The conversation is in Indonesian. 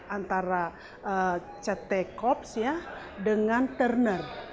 antara ct corps dengan turner